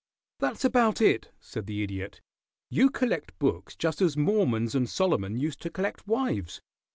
"That's about it," said the Idiot. "You collect books just as Mormons and Solomon used to collect wives.